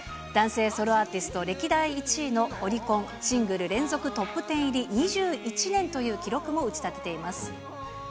男性ソロアーティスト歴代１位のオリコンシングル連続トップ１０入り２１年という記録も打ち立てています。